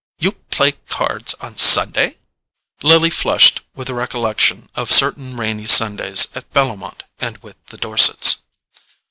"You play cards on Sunday?" Lily flushed with the recollection of certain rainy Sundays at Bellomont and with the Dorsets.